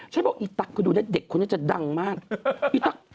ชักบอกอีตักก็ดูเด็กคนนี้จะดังมาก